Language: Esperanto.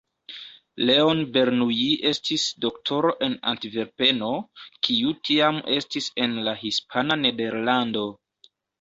Leon Bernoulli estis doktoro en Antverpeno, kiu tiam estis en la Hispana Nederlando.